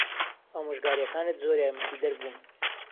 ئامۆژگارییەکانت زۆر یارمەتیدەر بوون.